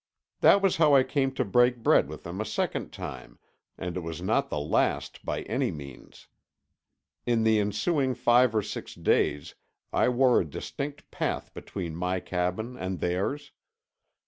That was how I came to break bread with them a second time, and it was not the last by any means. In the ensuing five or six days I wore a distinct path between my cabin and theirs.